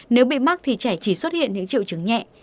nếu bị mắc thì trẻ chỉ xuất hiện những triệu chứng nhẹ